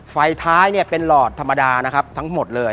ไฟท้ายเนี่ยเป็นหลอดธรรมดานะครับทั้งหมดเลย